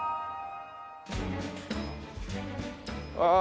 ああ